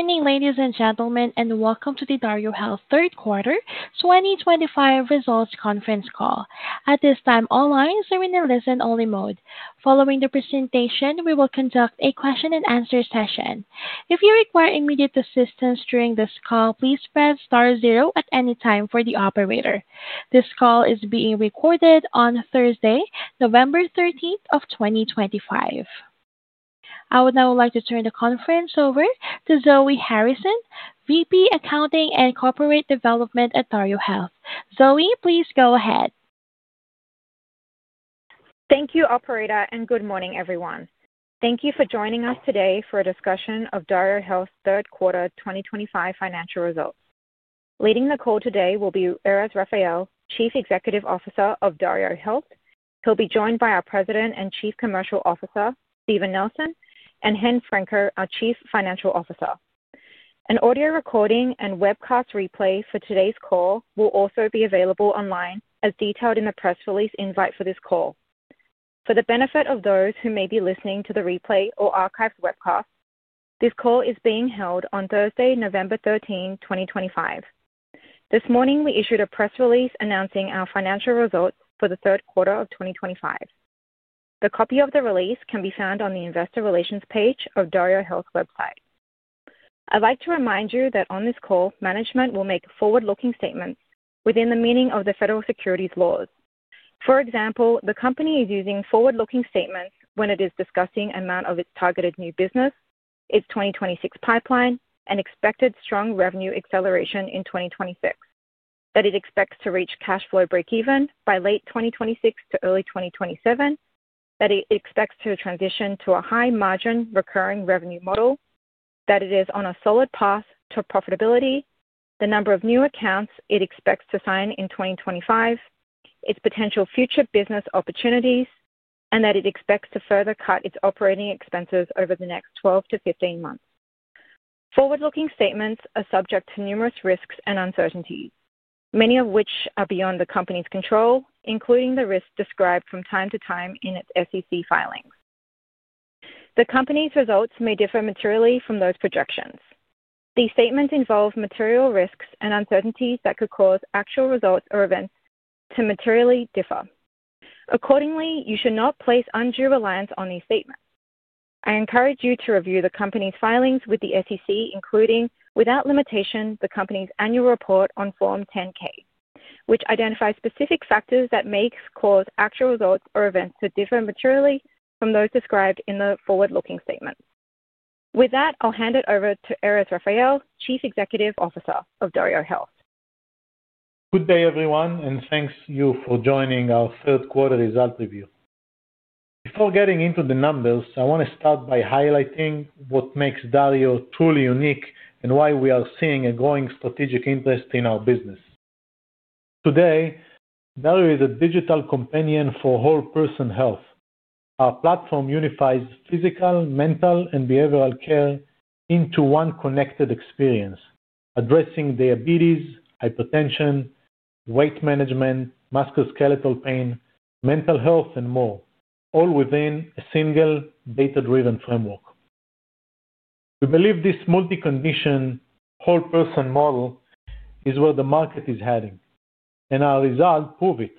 Good morning, ladies and gentlemen, and welcome to the DarioHealth Third Quarter 2025 Results Conference Call. At this time, all lines are in a listen-only mode. Following the presentation, we will conduct a question-and-answer session. If you require immediate assistance during this call, please press star zero at any time for the operator. This call is being recorded on Thursday, November 13th, 2025. I would now like to turn the conference over to Zoe Harrison, VP of Accounting and Corporate Development at DarioHealth. Zoe, please go ahead. Thank you, Operator, and good morning, everyone. Thank you for joining us today for a discussion of DarioHealth third quarter 2025 financial results. Leading the call today will be Erez Raphael, Chief Executive Officer of DarioHealth. He'll be joined by our President and Chief Commercial Officer, Steven Nelson, and Chen Franco, our Chief Financial Officer. An audio recording and webcast replay for today's call will also be available online, as detailed in the press release invite for this call. For the benefit of those who may be listening to the replay or archived webcast, this call is being held on Thursday, November 13, 2025. This morning, we issued a press release announcing our financial results for the third quarter of 2025. A copy of the release can be found on the Investor Relations page of DarioHealth's website. I'd like to remind you that on this call, management will make forward-looking statements within the meaning of the federal securities laws. For example, the company is using forward-looking statements when it is discussing the amount of its targeted new business, its 2026 pipeline, and expected strong revenue acceleration in 2026, that it expects to reach cash flow breakeven by late 2026 to early 2027, that it expects to transition to a high-margin recurring revenue model, that it is on a solid path to profitability, the number of new accounts it expects to sign in 2025, its potential future business opportunities, and that it expects to further cut its operating expenses over the next 12-15 months. Forward-looking statements are subject to numerous risks and uncertainties, many of which are beyond the company's control, including the risks described from time to time in its SEC filings. The company's results may differ materially from those projections. These statements involve material risks and uncertainties that could cause actual results or events to materially differ. Accordingly, you should not place undue reliance on these statements. I encourage you to review the company's filings with the SEC, including without limitation, the company's annual report on Form 10-K, which identifies specific factors that may cause actual results or events to differ materially from those described in the forward-looking statement. With that, I'll hand it over to Erez Raphael, Chief Executive Officer of DarioHealth. Good day, everyone, and thanks to you for joining our third quarter result review. Before getting into the numbers, I want to start by highlighting what makes Dario truly unique and why we are seeing a growing strategic interest in our business. Today, Dario is a digital companion for whole person health. Our platform unifies physical, mental, and behavioral care into one connected experience, addressing diabetes, hypertension, weight management, musculoskeletal pain, mental health, and more, all within a single data-driven framework. We believe this multi-condition whole person model is where the market is heading, and our results prove it.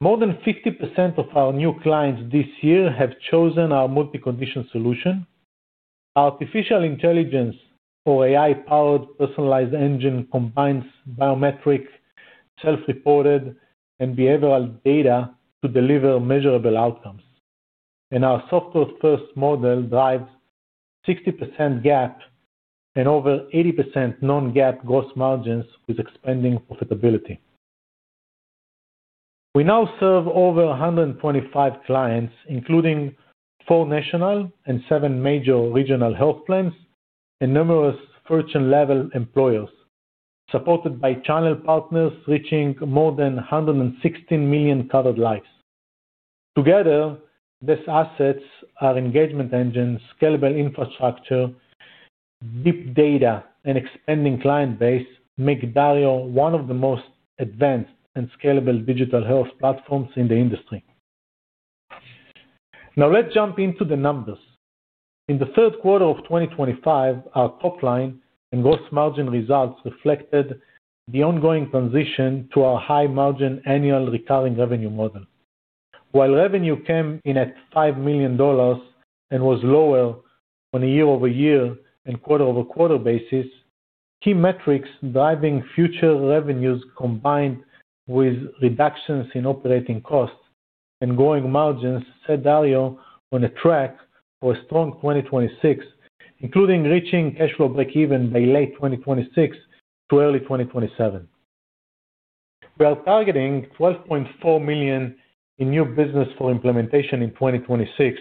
More than 50% of our new clients this year have chosen our multi-condition solution. Artificial intelligence, or AI-powered personalized engine, combines biometric, self-reported, and behavioral data to deliver measurable outcomes, and our software-first model drives a 60% GAAP and over 80% non-GAAP gross margins with expanding profitability. We now serve over 125 clients, including four national and seven major regional health plans and numerous Fortune-level employers, supported by channel partners reaching more than 116 million covered lives. Together, these assets, our engagement engines, scalable infrastructure, deep data, and expanding client base make Dario one of the most advanced and scalable digital health platforms in the industry. Now, let's jump into the numbers. In the third quarter of 2025, our top line and gross margin results reflected the ongoing transition to our high-margin annual recurring revenue model. While revenue came in at $5 million and was lower on a year-over-year and quarter-over-quarter basis, key metrics driving future revenues, combined with reductions in operating costs and growing margins, set DarioHealth on a track for a strong 2026, including reaching cash flow breakeven by late 2026 to early 2027. We are targeting $12.4 million in new business for implementation in 2026,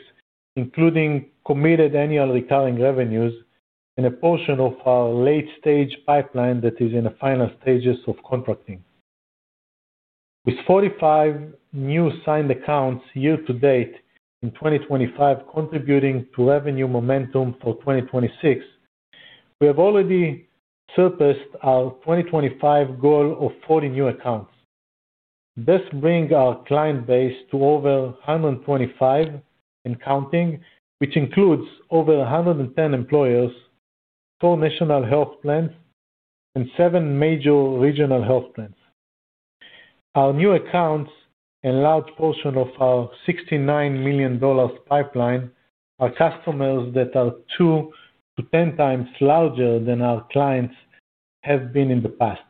including committed annual recurring revenues and a portion of our late-stage pipeline that is in the final stages of contracting. With 45 new signed accounts year-to-date in 2025 contributing to revenue momentum for 2026, we have already surpassed our 2025 goal of 40 new accounts. This brings our client base to over 125 and counting, which includes over 110 employers, four national health plans, and seven major regional health plans. Our new accounts and a large portion of our $69 million pipeline are customers that are 2-10 times larger than our clients have been in the past,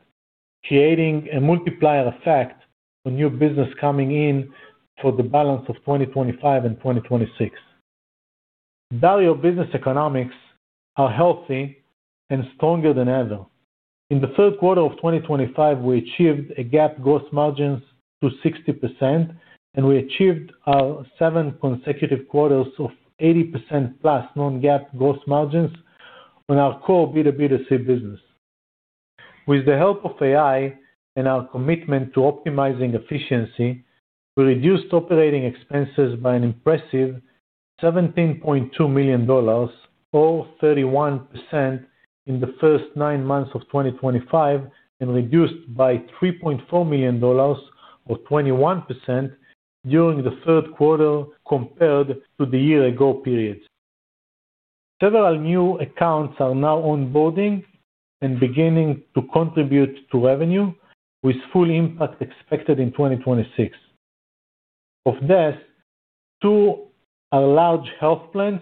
creating a multiplier effect for new business coming in for the balance of 2025 and 2026. DarioHealth business economics are healthy and stronger than ever. In the third quarter of 2025, we achieved a GAAP gross margin to 60%, and we achieved our seven consecutive quarters of 80% plus non-GAAP gross margins on our core B2B2C business. With the help of AI and our commitment to optimizing efficiency, we reduced operating expenses by an impressive $17.2 million, or 31%, in the first nine months of 2025, and reduced by $3.4 million, or 21%, during the third quarter compared to the year-ago period. Several new accounts are now onboarding and beginning to contribute to revenue, with full impact expected in 2026. Of these, two are large health plans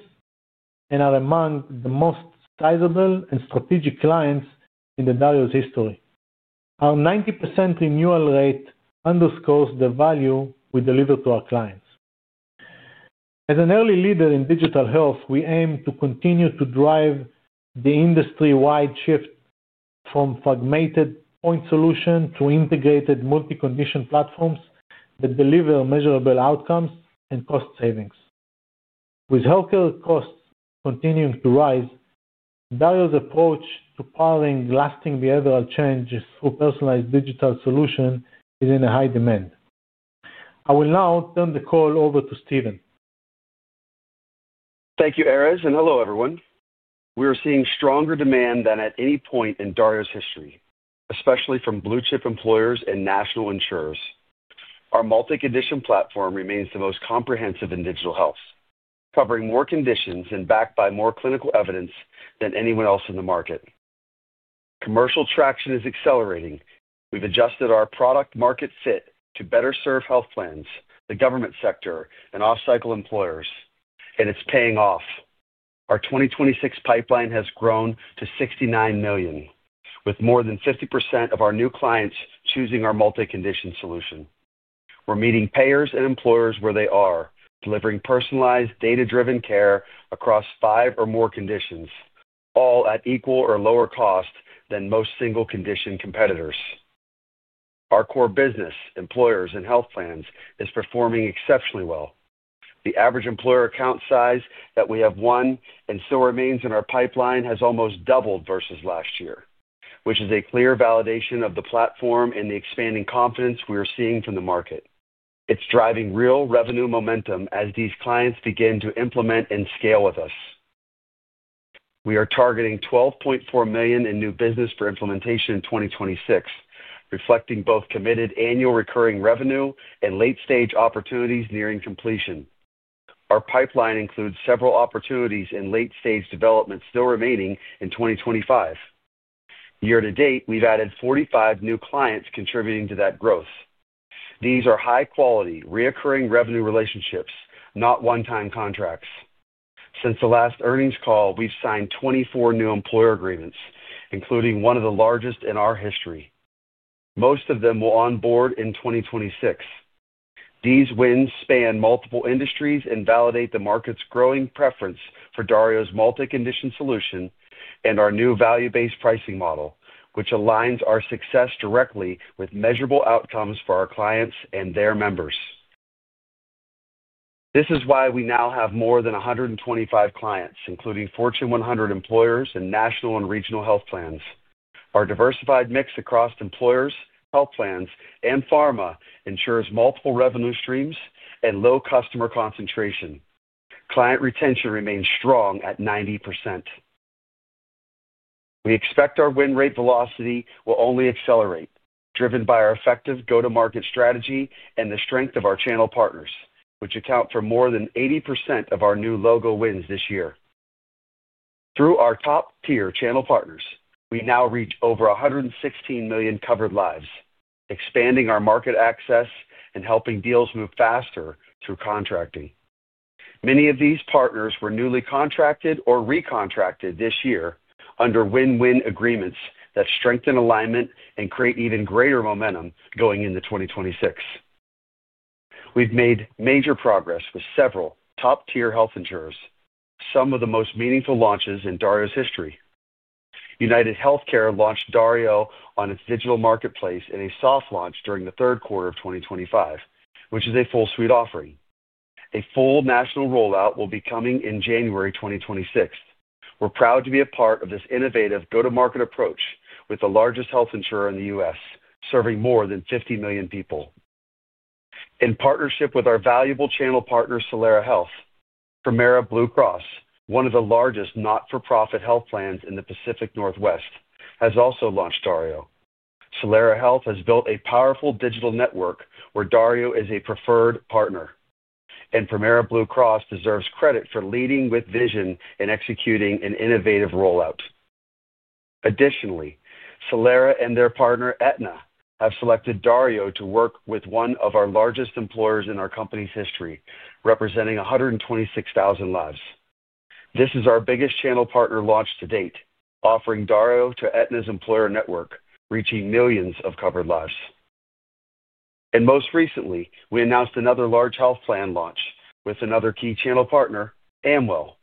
and are among the most sizable and strategic clients in Dario's history. Our 90% renewal rate underscores the value we deliver to our clients. As an early leader in digital health, we aim to continue to drive the industry-wide shift from fragmented point solution to integrated multi-condition platforms that deliver measurable outcomes and cost savings. With healthcare costs continuing to rise, Dario's approach to powering lasting behavioral change through personalized digital solutions is in high demand. I will now turn the call over to Steven. Thank you, Erez, and hello, everyone. We are seeing stronger demand than at any point in Darios history, especially from blue-chip employers and national insurers. Our multi-condition platform remains the most comprehensive in digital health, covering more conditions and backed by more clinical evidence than anyone else in the market. Commercial traction is accelerating. We've adjusted our product-market fit to better serve health plans, the government sector, and off-cycle employers, and it's paying off. Our 2026 pipeline has grown to $69 million, with more than 50% of our new clients choosing our multi-condition solution. We're meeting payers and employers where they are, delivering personalized data-driven care across five or more conditions, all at equal or lower cost than most single-condition competitors. Our core business, employers and health plans, is performing exceptionally well. The average employer account size that we have won and still remains in our pipeline has almost doubled versus last year, which is a clear validation of the platform and the expanding confidence we are seeing from the market. It's driving real revenue momentum as these clients begin to implement and scale with us. We are targeting $12.4 million in new business for implementation in 2026, reflecting both committed annual recurring revenue and late-stage opportunities nearing completion. Our pipeline includes several opportunities in late-stage development still remaining in 2025. Year-to-date, we've added 45 new clients contributing to that growth. These are high-quality, recurring revenue relationships, not one-time contracts. Since the last earnings call, we've signed 24 new employer agreements, including one of the largest in our history. Most of them will onboard in 2026. These wins span multiple industries and validate the market's growing preference for Dario's multi-condition solution and our new value-based pricing model, which aligns our success directly with measurable outcomes for our clients and their members. This is why we now have more than 125 clients, including Fortune 100 employers and national and regional health plans. Our diversified mix across employers, health plans, and pharma ensures multiple revenue streams and low customer concentration. Client retention remains strong at 90%. We expect our win rate velocity will only accelerate, driven by our effective go-to-market strategy and the strength of our channel partners, which account for more than 80% of our new logo wins this year. Through our top-tier channel partners, we now reach over 116 million covered lives, expanding our market access and helping deals move faster through contracting. Many of these partners were newly contracted or recontracted this year under win-win agreements that strengthen alignment and create even greater momentum going into 2026. We've made major progress with several top-tier health insurers, some of the most meaningful launches in Dario's history. UnitedHealthcare launched Dario on its digital marketplace in a soft launch during the third quarter of 2025, which is a full-suite offering. A full national rollout will be coming in January 2026. We're proud to be a part of this innovative go-to-market approach with the largest health insurer in the U.S., serving more than 50 million people. In partnership with our valuable channel partner, Solera Health, Premera Blue Cross, one of the largest not-for-profit health plans in the Pacific Northwest, has also launched Dario. Solera Health has built a powerful digital network where Dario is a preferred partner, and Premera Blue Cross deserves credit for leading with vision and executing an innovative rollout. Additionally, Solera and their partner, Aetna, have selected Dario to work with one of our largest employers in our company's history, representing 126,000 lives. This is our biggest channel partner launch to date, offering Dario to Aetna's employer network, reaching millions of covered lives. Most recently, we announced another large health plan launch with another key channel partner, Amwell.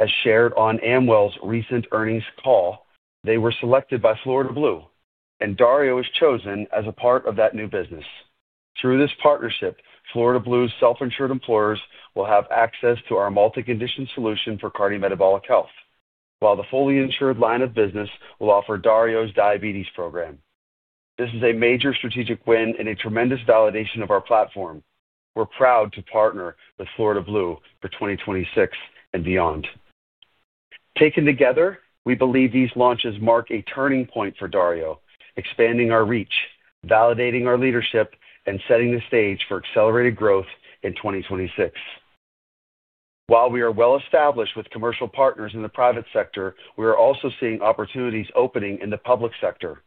As shared on Amwell's recent earnings call, they were selected by Florida Blue, and Dario is chosen as a part of that new business. Through this partnership, Florida Blue's self-insured employers will have access to our multi-condition solution for cardiometabolic health, while the fully insured line of business will offer Dario's diabetes program. This is a major strategic win and a tremendous validation of our platform. We're proud to partner with Florida Blue for 2026 and beyond. Taken together, we believe these launches mark a turning point for Dario, expanding our reach, validating our leadership, and setting the stage for accelerated growth in 2026. While we are well-established with commercial partners in the private sector, we are also seeing opportunities opening in the public sector.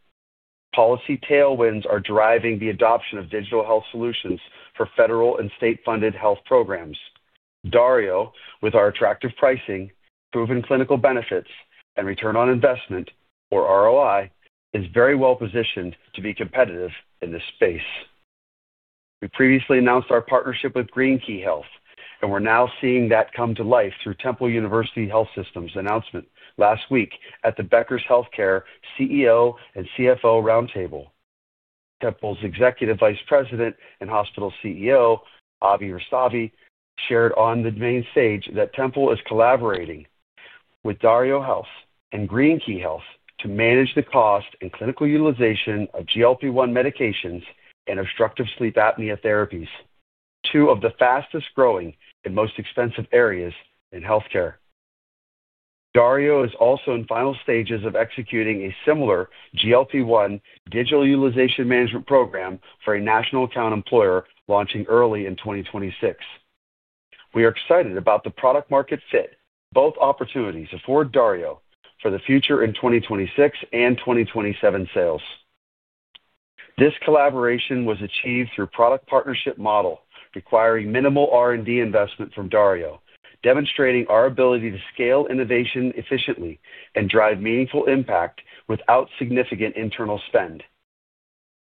Policy tailwinds are driving the adoption of digital health solutions for federal and state-funded health programs. Dario, with our attractive pricing, proven clinical benefits, and return on investment, or ROI, is very well-positioned to be competitive in this space. We previously announced our partnership with GreenKey Health, and we're now seeing that come to life through Temple University Health System's announcement last week at the Becker's Healthcare CEO and CFO roundtable. Temple's Executive Vice President and Hospital CEO, Abhi Rastogi, shared on the main stage that Temple is collaborating with DarioHealth and GreenKey Health to manage the cost and clinical utilization of GLP-1 medications and obstructive sleep apnea therapies, two of the fastest-growing and most expensive areas in healthcare. Dario is also in final stages of executing a similar GLP-1 digital utilization management program for a national account employer launching early in 2026. We are excited about the product-market fit of both opportunities for Dario for the future in 2026 and 2027 sales. This collaboration was achieved through a product partnership model requiring minimal R&D investment from Dario, demonstrating our ability to scale innovation efficiently and drive meaningful impact without significant internal spend.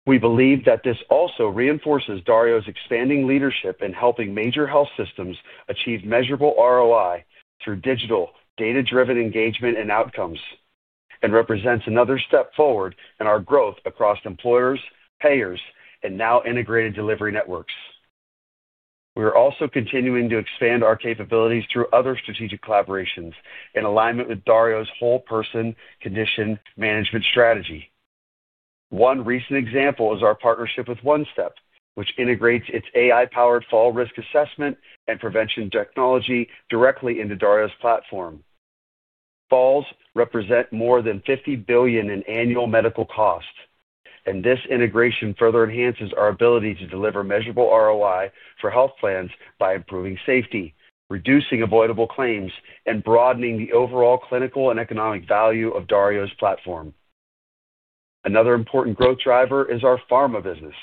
We believe that this also reinforces Dario's expanding leadership in helping major health systems achieve measurable ROI through digital data-driven engagement and outcomes, and represents another step forward in our growth across employers, payers, and now integrated delivery networks. We are also continuing to expand our capabilities through other strategic collaborations in alignment with Dario's whole person condition management strategy. One recent example is our partnership with OneStep, which integrates its AI-powered fall risk assessment and prevention technology directly into Dario's platform. Falls represent more than $50 billion in annual medical cost, and this integration further enhances our ability to deliver measurable ROI for health plans by improving safety, reducing avoidable claims, and broadening the overall clinical and economic value of Dario's platform. Another important growth driver is our pharma business.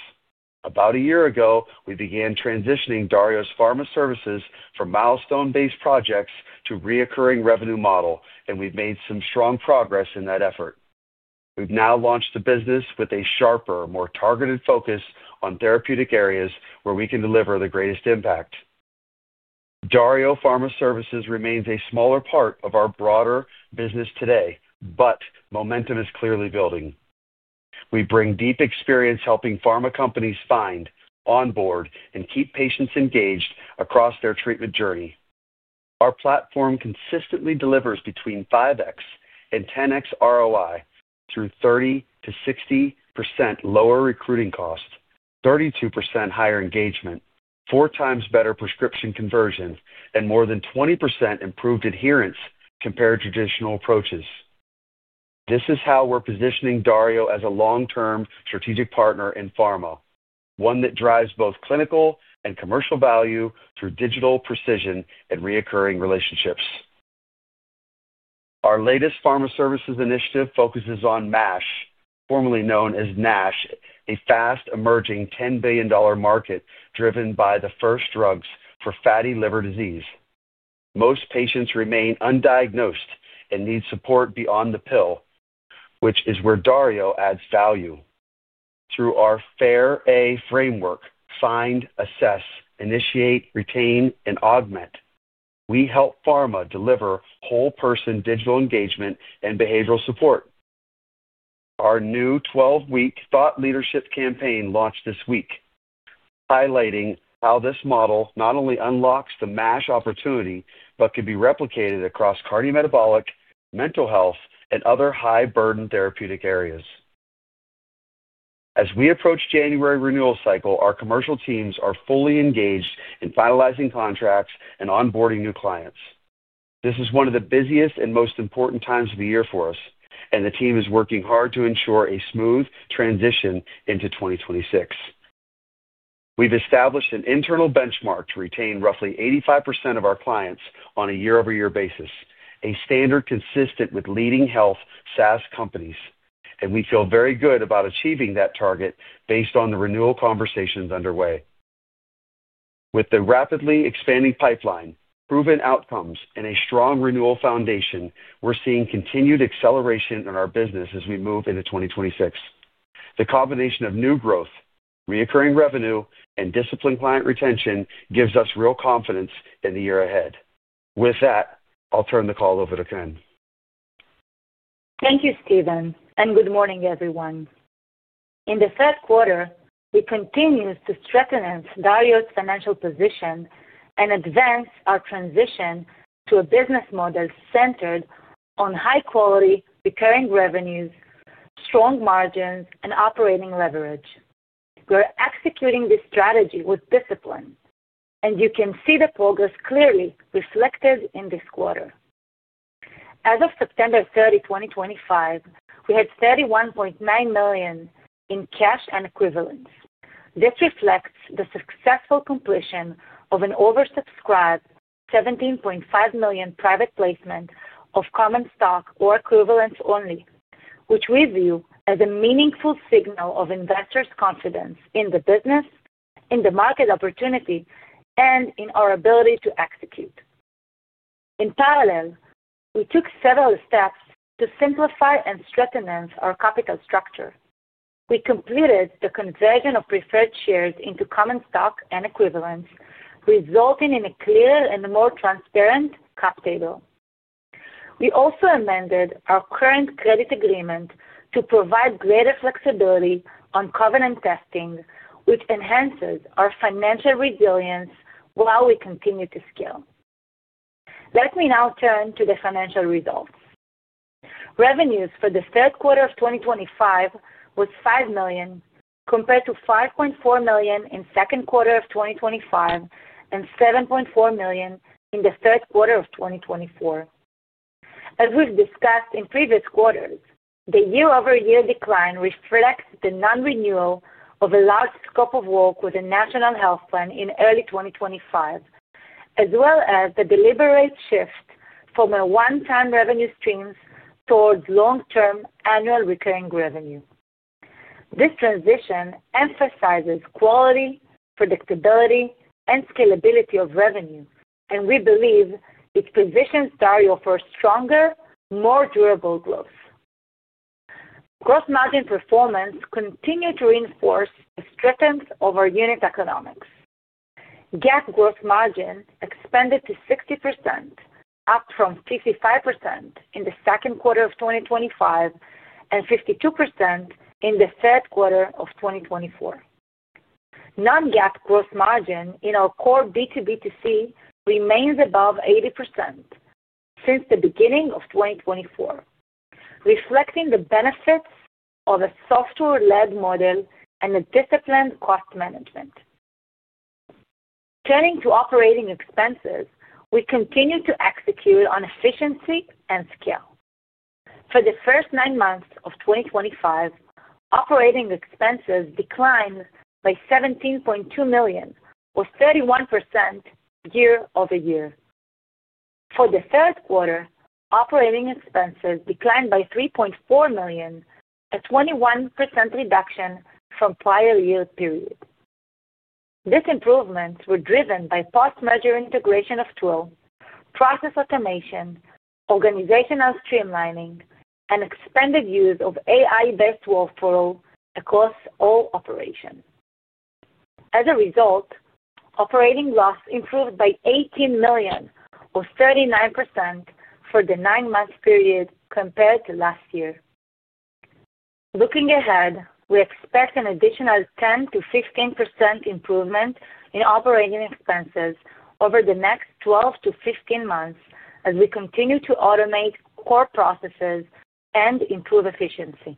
About a year ago, we began transitioning Dario's pharma services from milestone-based projects to a recurring revenue model, and we've made some strong progress in that effort. We've now launched a business with a sharper, more targeted focus on therapeutic areas where we can deliver the greatest impact. Dario Pharma Services remains a smaller part of our broader business today, but momentum is clearly building. We bring deep experience helping pharma companies find, onboard, and keep patients engaged across their treatment journey. Our platform consistently delivers between 5x and 10x ROI through 30%-60% lower recruiting cost, 32% higher engagement, 4 times better prescription conversion, and more than 20% improved adherence compared to traditional approaches. This is how we're positioning Dario as a long-term strategic partner in pharma, one that drives both clinical and commercial value through digital precision and recurring relationships. Our latest pharma services initiative focuses on MASH, formerly known as NASH, a fast-emerging $10 billion market driven by the first drugs for fatty liver disease. Most patients remain undiagnosed and need support beyond the pill, which is where Dario adds value. Through our FAIR-A framework, Find, Assess, Initiate, Retain, and Augment, we help pharma deliver whole-person digital engagement and behavioral support. Our new 12-week thought leadership campaign launched this week, highlighting how this model not only unlocks the MASH opportunity but can be replicated across cardiometabolic, mental health, and other high-burden therapeutic areas. As we approach January renewal cycle, our commercial teams are fully engaged in finalizing contracts and onboarding new clients. This is one of the busiest and most important times of the year for us, and the team is working hard to ensure a smooth transition into 2026. We've established an internal benchmark to retain roughly 85% of our clients on a year-over-year basis, a standard consistent with leading health SaaS companies, and we feel very good about achieving that target based on the renewal conversations underway. With the rapidly expanding pipeline, proven outcomes, and a strong renewal foundation, we're seeing continued acceleration in our business as we move into 2026. The combination of new growth, recurring revenue, and disciplined client retention gives us real confidence in the year ahead. With that, I'll turn the call over to Chen. Thank you, Steven, and good morning, everyone. In the third quarter, we continued to strengthen Dario's financial position and advance our transition to a business model centered on high-quality recurring revenues, strong margins, and operating leverage. We're executing this strategy with discipline, and you can see the progress clearly reflected in this quarter. As of September 30, 2025, we had $31.9 million in cash and equivalents. This reflects the successful completion of an oversubscribed $17.5 million private placement of common stock or equivalents only, which we view as a meaningful signal of investors' confidence in the business, in the market opportunity, and in our ability to execute. In parallel, we took several steps to simplify and strengthen our capital structure. We completed the conversion of preferred shares into common stock and equivalents, resulting in a clearer and more transparent cap table. We also amended our current credit agreement to provide greater flexibility on covenant testing, which enhances our financial resilience while we continue to scale. Let me now turn to the financial results. Revenues for the third quarter of 2025 was $5 million, compared to $5.4 million in the second quarter of 2025 and $7.4 million in the third quarter of 2024. As we've discussed in previous quarters, the year-over-year decline reflects the non-renewal of a large scope of work with a national health plan in early 2025, as well as the deliberate shift from our one-time revenue streams towards long-term annual recurring revenue. This transition emphasizes quality, predictability, and scalability of revenue, and we believe it positions DarioHealth for a stronger, more durable growth. Gross margin performance continued to reinforce the strength of our unit economics. GAAP gross margin expanded to 60%, up from 55% in the second quarter of 2025 and 52% in the third quarter of 2024. Non-GAAP gross margin in our core B2B2C remains above 80% since the beginning of 2024, reflecting the benefits of a software-led model and disciplined cost management. Turning to operating expenses, we continue to execute on efficiency and scale. For the first nine months of 2025, operating expenses declined by $17.2 million, or 31% year-over-year. For the third quarter, operating expenses declined by $3.4 million, a 21% reduction from the prior year period. These improvements were driven by cost measure integration of tools, process automation, organizational streamlining, and expanded use of AI-based workflow across all operations. As a result, operating loss improved by $18 million, or 39% for the nine-month period compared to last year. Looking ahead, we expect an additional 10%-15% improvement in operating expenses over the next 12-15 months as we continue to automate core processes and improve efficiency.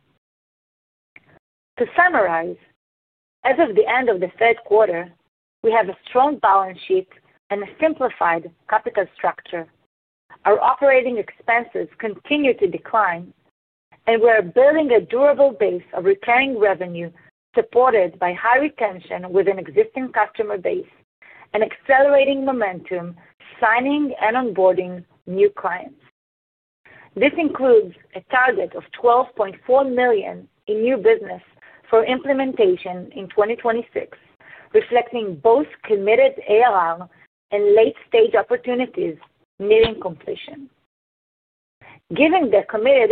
To summarize, as of the end of the third quarter, we have a strong balance sheet and a simplified capital structure. Our operating expenses continue to decline, and we are building a durable base of recurring revenue supported by high retention with an existing customer base and accelerating momentum signing and onboarding new clients. This includes a target of $12.4 million in new business for implementation in 2026, reflecting both committed ARR and late-stage opportunities nearing completion. Given the committed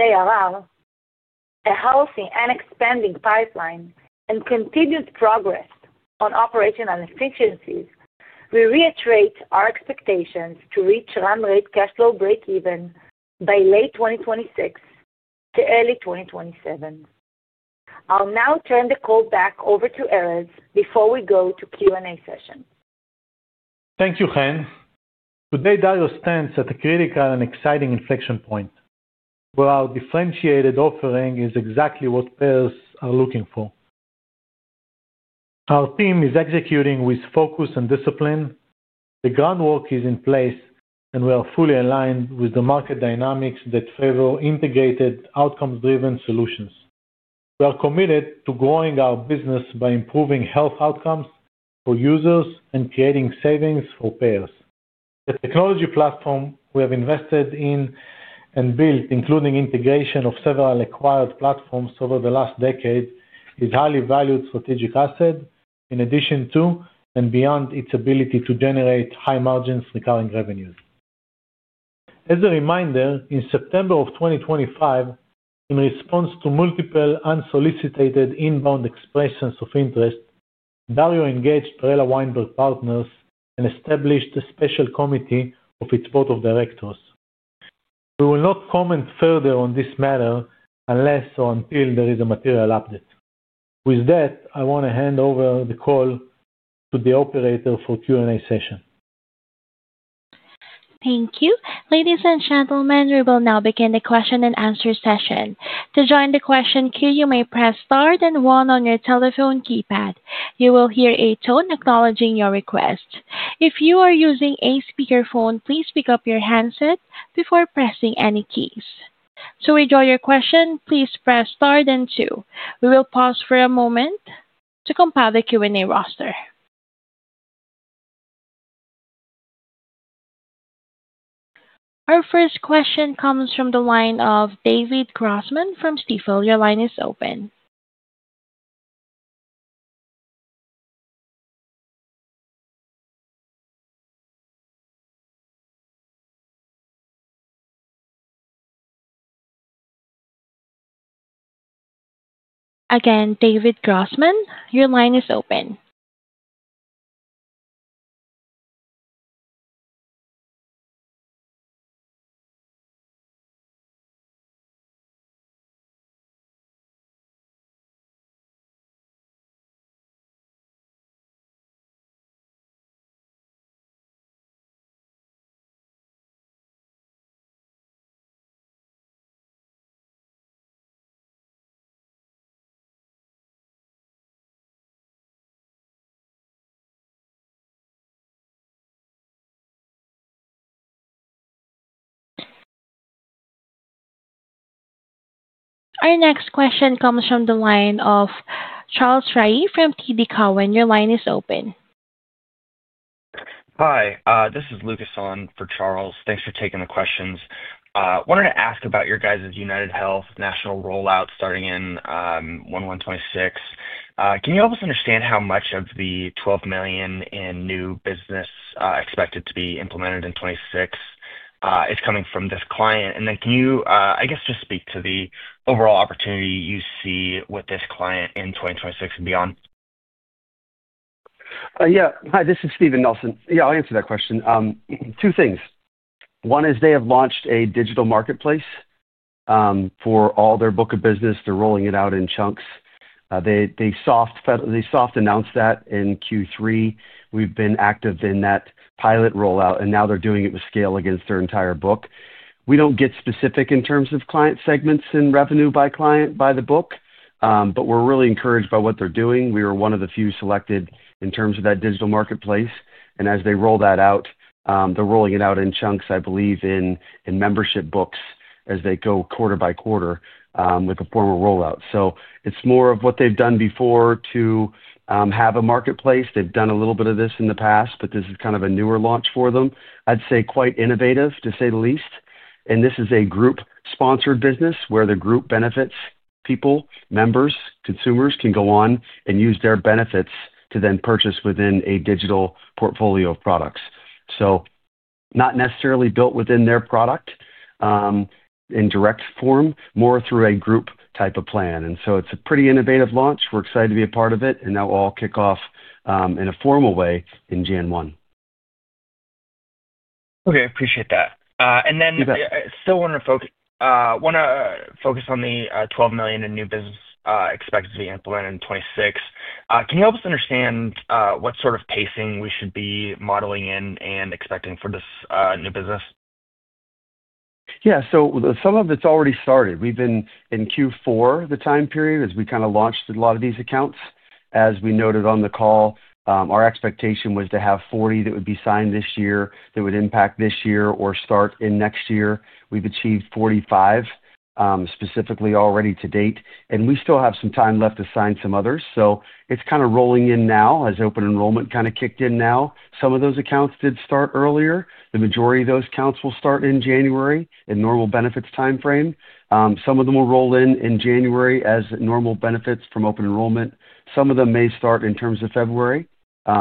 ARR, a healthy and expanding pipeline, and continued progress on operational efficiencies, we reiterate our expectations to reach run-rate cash flow breakeven by late 2026 to early 2027. I'll now turn the call back over to Erez before we go to the Q&A session. Thank you, Chen. Today, Dario stands at a critical and exciting inflection point, where our differentiated offering is exactly what payers are looking for. Our team is executing with focus and discipline. The groundwork is in place, and we are fully aligned with the market dynamics that favor integrated outcome-driven solutions. We are committed to growing our business by improving health outcomes for users and creating savings for payers. The technology platform we have invested in and built, including integration of several acquired platforms over the last decade, is a highly valued strategic asset, in addition to and beyond its ability to generate high-margin recurring revenues. As a reminder, in September of 2025, in response to multiple unsolicited inbound expressions of interest, Dario engaged Perella Weinberg Partners and established a special committee of its board of directors. We will not comment further on this matter unless or until there is a material update. With that, I want to hand over the call to the operator for the Q&A session. Thank you. Ladies and gentlemen, we will now begin the question-and-answer session. To join the question queue, you may press star then one on your telephone keypad. You will hear a tone acknowledging your request. If you are using a speakerphone, please pick up your handset before pressing any keys. To withdraw your question, please press star then two. We will pause for a moment to compile the Q&A roster. Our first question comes from the line of David Grossman from Steve. Your line is open. Again, David Grossman, your line is open. Our next question comes from the line of Charles Rhyee from TD Cowen. Your line is open. Hi, this is Lucas on for Charles. Thanks for taking the questions. I wanted to ask about your guys' UnitedHealth national rollout starting in 1/1/2026. Can you help us understand how much of the $12 million in new business expected to be implemented in 2026 is coming from this client? And then can you, I guess, just speak to the overall opportunity you see with this client in 2026 and beyond? Yeah. Hi, this is Steven Nelson. Yeah, I'll answer that question. Two things. One is they have launched a digital marketplace for all their book of business. They're rolling it out in chunks. They soft announced that in Q3. We've been active in that pilot rollout, and now they're doing it with scale against their entire book. We don't get specific in terms of client segments and revenue by client by the book, but we're really encouraged by what they're doing. We were one of the few selected in terms of that digital marketplace. As they roll that out, they're rolling it out in chunks, I believe, in membership books as they go quarter by quarter with a formal rollout. It is more of what they've done before to have a marketplace. They've done a little bit of this in the past, but this is kind of a newer launch for them. I'd say quite innovative, to say the least. This is a group-sponsored business where the group benefits people, members, consumers can go on and use their benefits to then purchase within a digital portfolio of products. Not necessarily built within their product in direct form, more through a group type of plan. It is a pretty innovative launch. We're excited to be a part of it, and that will all kick off in a formal way on January 1. Okay. Appreciate that. I still want to focus on the $12 million in new business expected to be implemented in 2026. Can you help us understand what sort of pacing we should be modeling in and expecting for this new business? Yeah. Some of it's already started. We've been in Q4, the time period as we kind of launched a lot of these accounts. As we noted on the call, our expectation was to have 40 that would be signed this year that would impact this year or start in next year. We've achieved 45 specifically already to date, and we still have some time left to sign some others. It's kind of rolling in now as open enrollment kind of kicked in now. Some of those accounts did start earlier. The majority of those accounts will start in January in normal benefits time frame. Some of them will roll in in January as normal benefits from open enrollment. Some of them may start in terms of February,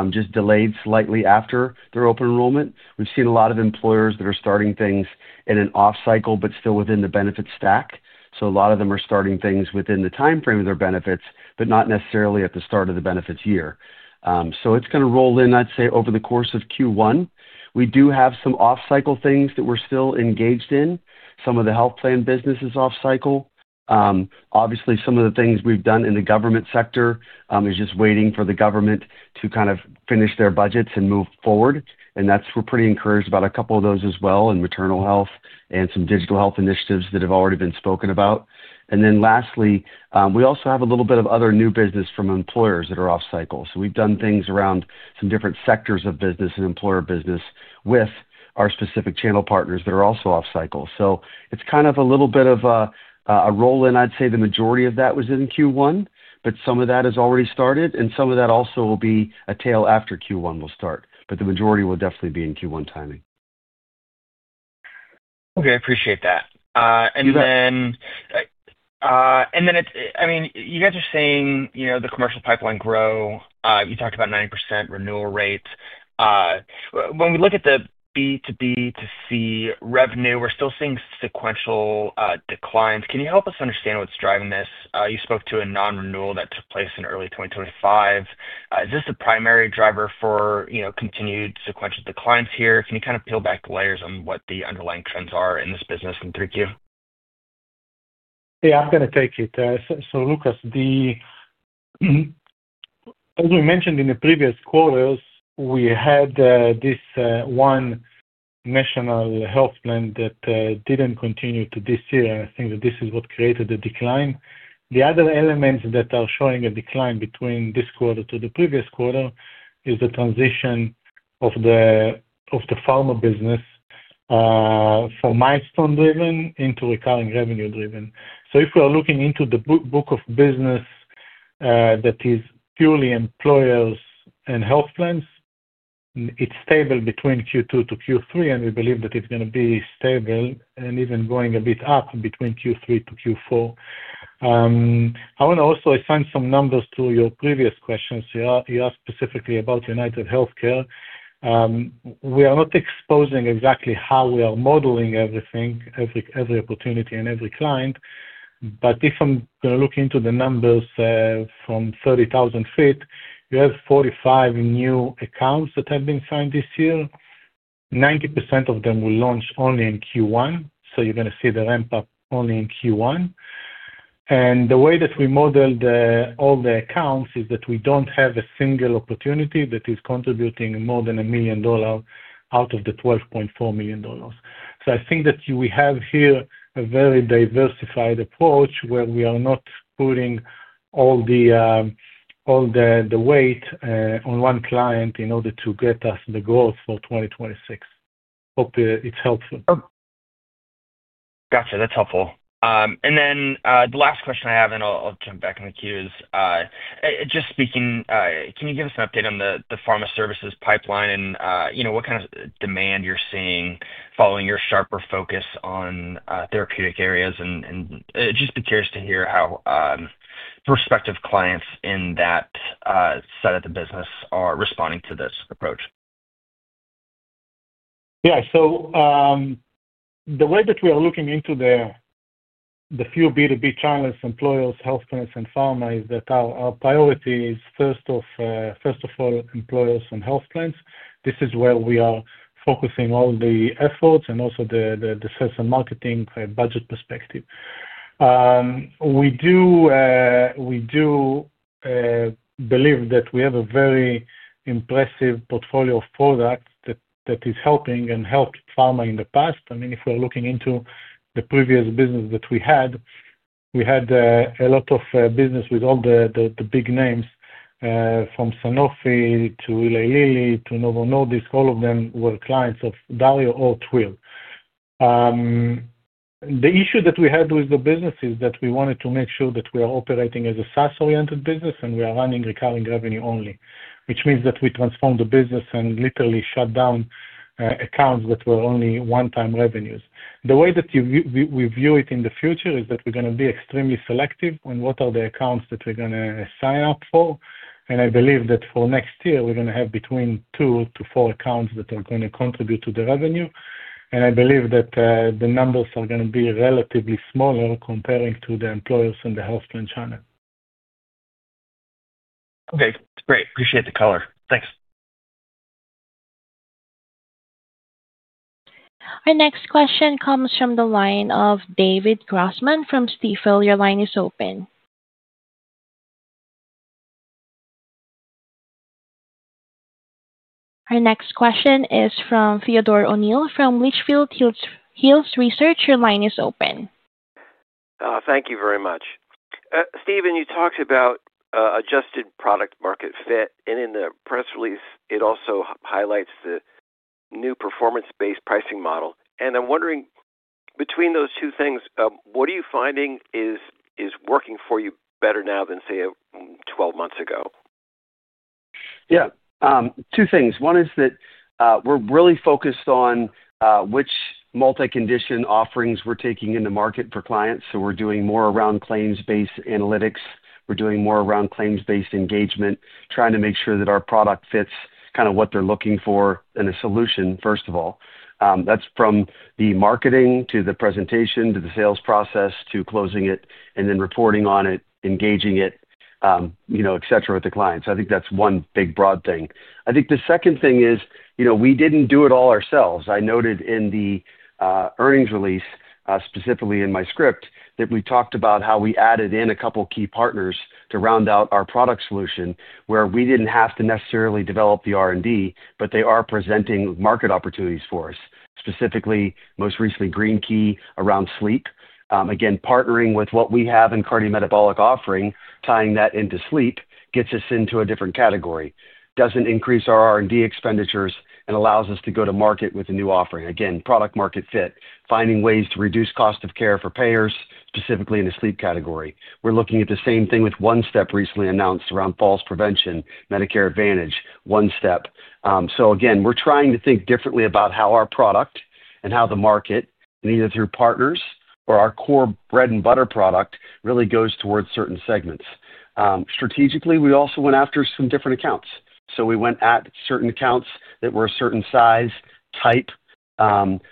just delayed slightly after their open enrollment. We've seen a lot of employers that are starting things in an off-cycle but still within the benefits stack. A lot of them are starting things within the time frame of their benefits, but not necessarily at the start of the benefits year. It's going to roll in, I'd say, over the course of Q1. We do have some off-cycle things that we're still engaged in. Some of the health plan business is off-cycle. Obviously, some of the things we've done in the government sector is just waiting for the government to kind of finish their budgets and move forward. We're pretty encouraged about a couple of those as well in maternal health and some digital health initiatives that have already been spoken about. Lastly, we also have a little bit of other new business from employers that are off-cycle. We've done things around some different sectors of business and employer business with our specific channel partners that are also off-cycle. It's kind of a little bit of a roll-in. I'd say the majority of that was in Q1, but some of that has already started, and some of that also will be a tail after Q1 will start. The majority will definitely be in Q1 timing. Okay. Appreciate that. I mean, you guys are seeing the commercial pipeline grow. You talked about 90% renewal rate. When we look at the B2B2C revenue, we're still seeing sequential declines. Can you help us understand what's driving this? You spoke to a non-renewal that took place in early 2025. Is this the primary driver for continued sequential declines here? Can you kind of peel back the layers on what the underlying trends are in this business in 3Q? Yeah, I'm going to take it. Lucas, as we mentioned in the previous quarters, we had this one national health plan that did not continue to this year. I think that this is what created the decline. The other elements that are showing a decline between this quarter to the previous quarter is the transition of the pharma business from milestone-driven into recurring revenue-driven. If we are looking into the book of business that is purely employers and health plans, it is stable between Q2-Q3, and we believe that it is going to be stable and even going a bit up between Q3-Q4. I want to also assign some numbers to your previous questions. You asked specifically about UnitedHealthcare. We are not exposing exactly how we are modeling everything, every opportunity and every client. If I'm going to look into the numbers from 30,000 feet, you have 45 new accounts that have been signed this year. 90% of them will launch only in Q1. You're going to see the ramp-up only in Q1. The way that we model all the accounts is that we don't have a single opportunity that is contributing more than $1 million out of the $12.4 million. I think that we have here a very diversified approach where we are not putting all the weight on one client in order to get us the growth for 2026. Hope it's helpful. Gotcha. That's helpful. The last question I have, and I'll jump back in the queues, just speaking, can you give us an update on the pharma services pipeline and what kind of demand you're seeing following your sharper focus on therapeutic areas? I'm just curious to hear how prospective clients in that side of the business are responding to this approach. Yeah. The way that we are looking into the few B2B channels, employers, health plans, and pharma is that our priority is, first of all, employers and health plans. This is where we are focusing all the efforts and also the sales and marketing budget perspective. We do believe that we have a very impressive portfolio of products that is helping and helped pharma in the past. I mean, if we're looking into the previous business that we had, we had a lot of business with all the big names from Sanofi to Eli Lilly to Novo Nordisk. All of them were clients of Dario or Twill. The issue that we had with the business is that we wanted to make sure that we are operating as a SaaS-oriented business, and we are running recurring revenue only, which means that we transformed the business and literally shut down accounts that were only one-time revenues. The way that we view it in the future is that we're going to be extremely selective on what are the accounts that we're going to sign up for. I believe that for next year, we're going to have between two to four accounts that are going to contribute to the revenue. I believe that the numbers are going to be relatively smaller comparing to the employers and the health plan channel. Okay. Great. Appreciate the color. Thanks. Our next question comes from the line of David Grossman from Steve. Your line is open. Our next question is from Theodore O'Neill from Litchfield Hills Research. Your line is open. Thank you very much. Steven, you talked about adjusted product-market fit, and in the press release, it also highlights the new performance-based pricing model. I'm wondering, between those two things, what are you finding is working for you better now than, say, 12 months ago? Yeah. Two things. One is that we're really focused on which multi-condition offerings we're taking in the market for clients. We're doing more around claims-based analytics. We're doing more around claims-based engagement, trying to make sure that our product fits kind of what they're looking for in a solution, first of all. That's from the marketing to the presentation to the sales process to closing it and then reporting on it, engaging it, etc., with the clients. I think that's one big broad thing. I think the second thing is we didn't do it all ourselves. I noted in the earnings release, specifically in my script, that we talked about how we added in a couple of key partners to round out our product solution where we didn't have to necessarily develop the R&D, but they are presenting market opportunities for us, specifically, most recently, GreenKey around sleep. Again, partnering with what we have in cardiometabolic offering, tying that into sleep, gets us into a different category, does not increase our R&D expenditures, and allows us to go to market with a new offering. Again, product-market fit, finding ways to reduce cost of care for payers, specifically in a sleep category. We are looking at the same thing with OneStep recently announced around falls prevention, Medicare Advantage, OneStep. Again, we are trying to think differently about how our product and how the market, either through partners or our core bread-and-butter product, really goes towards certain segments. Strategically, we also went after some different accounts. We went at certain accounts that were a certain size, type,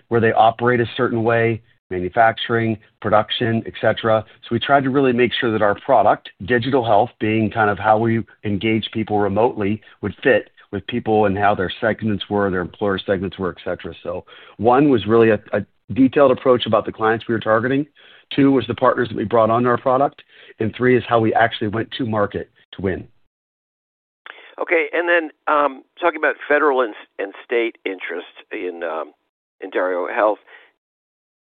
where they operate a certain way, manufacturing, production, etc. We tried to really make sure that our product, digital health, being kind of how we engage people remotely, would fit with people and how their segments were, their employer segments were, etc. One was really a detailed approach about the clients we were targeting. Two was the partners that we brought on to our product. Three is how we actually went to market to win. Okay. And then talking about federal and state interests in DarioHealth,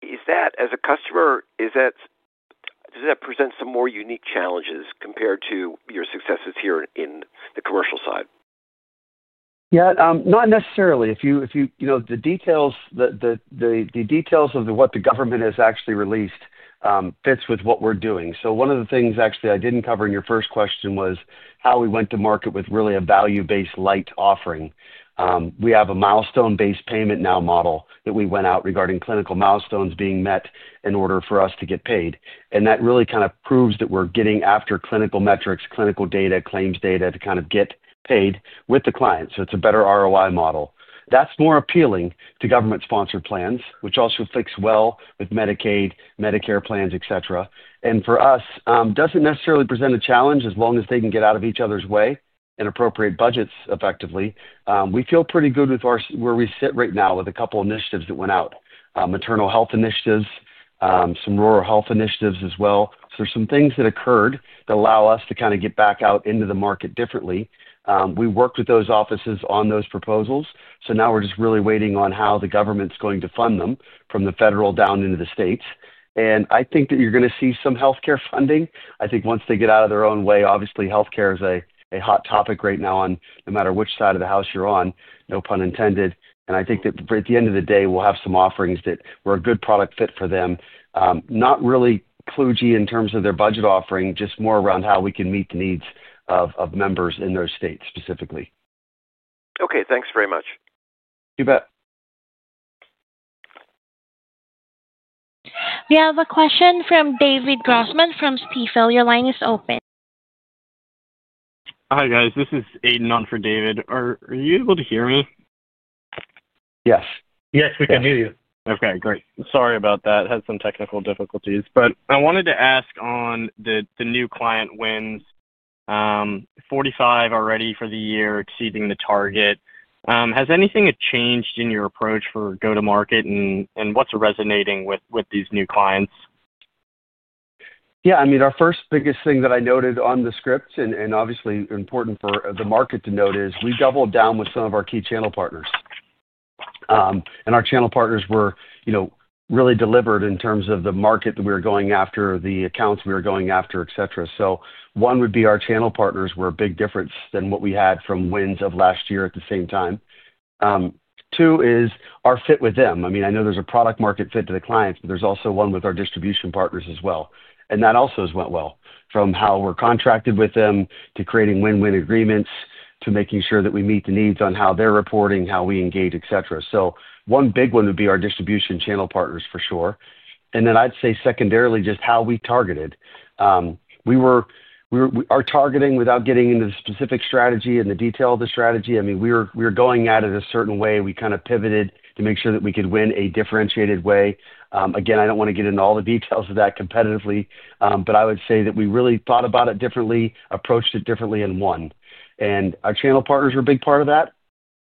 as a customer, does that present some more unique challenges compared to your successes here in the commercial side? Yeah. Not necessarily. The details of what the government has actually released fits with what we're doing. One of the things, actually, I didn't cover in your first question was how we went to market with really a value-based light offering. We have a milestone-based payment now model that we went out regarding clinical milestones being met in order for us to get paid. That really kind of proves that we're getting after clinical metrics, clinical data, claims data to kind of get paid with the client. It's a better ROI model. That's more appealing to government-sponsored plans, which also fits well with Medicaid, Medicare plans, etc. For us, doesn't necessarily present a challenge as long as they can get out of each other's way and appropriate budgets effectively. We feel pretty good with where we sit right now with a couple of initiatives that went out, maternal health initiatives, some rural health initiatives as well. There are some things that occurred that allow us to kind of get back out into the market differently. We worked with those offices on those proposals. Now we're just really waiting on how the government's going to fund them from the federal down into the states. I think that you're going to see some healthcare funding. I think once they get out of their own way, obviously, healthcare is a hot topic right now no matter which side of the house you're on, no pun intended. I think that at the end of the day, we'll have some offerings that were a good product fit for them, not really kludgy in terms of their budget offering, just more around how we can meet the needs of members in those states specifically. Okay. Thanks very much. You bet. We have a question from David Grossman from Steve. Your line is open. Hi guys. This is Aiden on for David. Are you able to hear me? Yes. Yes, we can hear you. Okay. Great. Sorry about that. Had some technical difficulties. I wanted to ask on the new client wins, 45 already for the year, exceeding the target. Has anything changed in your approach for go-to-market, and what's resonating with these new clients? Yeah. I mean, our first biggest thing that I noted on the script, and obviously important for the market to note, is we doubled down with some of our key channel partners. Our channel partners really delivered in terms of the market that we were going after, the accounts we were going after, etc. One would be our channel partners were a big difference than what we had from wins of last year at the same time. Two is our fit with them. I mean, I know there is a product-market fit to the clients, but there is also one with our distribution partners as well. That also has went well from how we are contracted with them to creating win-win agreements to making sure that we meet the needs on how they are reporting, how we engage, etc. One big one would be our distribution channel partners for sure. I'd say secondarily, just how we targeted. We were targeting without getting into the specific strategy and the detail of the strategy. I mean, we were going at it a certain way. We kind of pivoted to make sure that we could win a differentiated way. Again, I don't want to get into all the details of that competitively, but I would say that we really thought about it differently, approached it differently, and won. Our channel partners were a big part of that.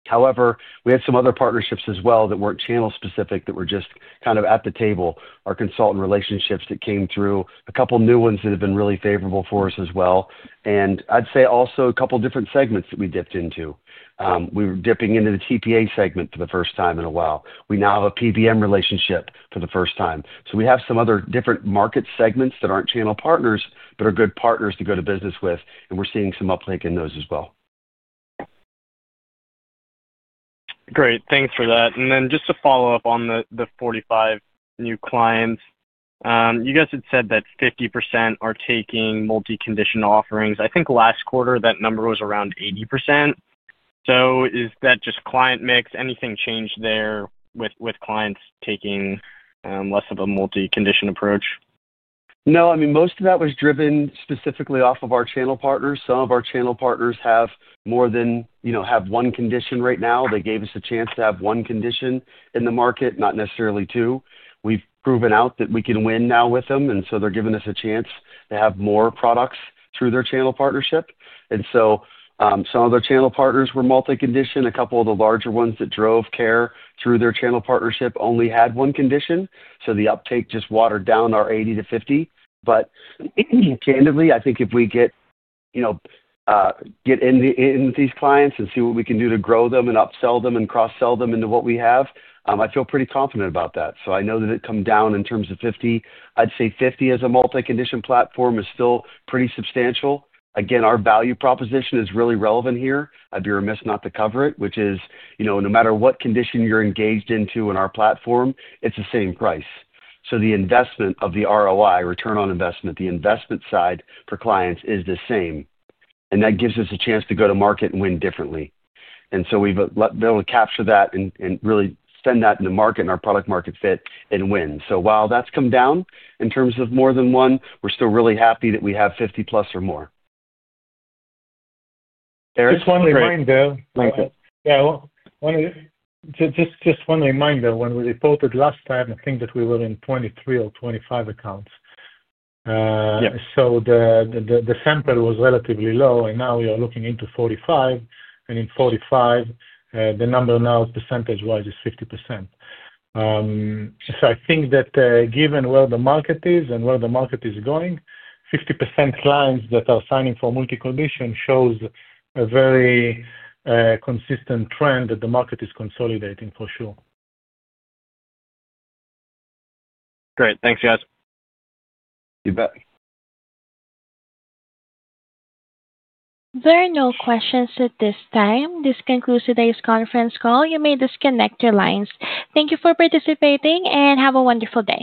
However, we had some other partnerships as well that weren't channel-specific that were just kind of at the table, our consultant relationships that came through, a couple of new ones that have been really favorable for us as well. I'd say also a couple of different segments that we dipped into. We were dipping into the TPA segment for the first time in a while. We now have a PBM relationship for the first time. We have some other different market segments that aren't channel partners but are good partners to go to business with, and we're seeing some uptake in those as well. Great. Thanks for that. Just to follow up on the 45 new clients, you guys had said that 50% are taking multi-condition offerings. I think last quarter, that number was around 80%. Is that just client mix? Anything changed there with clients taking less of a multi-condition approach? No. I mean, most of that was driven specifically off of our channel partners. Some of our channel partners have more than have one condition right now. They gave us a chance to have one condition in the market, not necessarily two. We've proven out that we can win now with them, and they are giving us a chance to have more products through their channel partnership. Some of the channel partners were multi-condition. A couple of the larger ones that drove care through their channel partnership only had one condition. The uptake just watered down our 80 to 50. Candidly, I think if we get in with these clients and see what we can do to grow them and upsell them and cross-sell them into what we have, I feel pretty confident about that. I know that it comes down in terms of 50. I'd say 50 as a multi-condition platform is still pretty substantial. Again, our value proposition is really relevant here. I'd be remiss not to cover it, which is no matter what condition you're engaged into in our platform, it's the same price. So the investment of the ROI, return on investment, the investment side for clients is the same. That gives us a chance to go to market and win differently. We've been able to capture that and really send that into market and our product-market fit and win. While that's come down in terms of more than one, we're still really happy that we have +50 or more. Just one reminder. Thank you. Yeah. Just one reminder. When we reported last time, I think that we were in 23 or 25 accounts. The sample was relatively low, and now we are looking into 45. In 45, the number now percentage-wise is 50%. I think that given where the market is and where the market is going, 50% clients that are signing for multi-condition shows a very consistent trend that the market is consolidating for sure. Great. Thanks, guys. You bet. There are no questions at this time. This concludes today's conference call. You may disconnect your lines. Thank you for participating and have a wonderful day.